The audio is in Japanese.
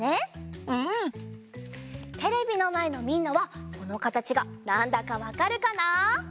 テレビのまえのみんなはこのかたちがなんだかわかるかな？